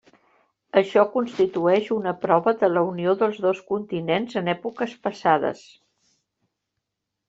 Això constitueix una prova de la unió dels dos continents en èpoques passades.